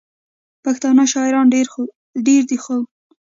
پښتانه شاعران ډېر دي، خو: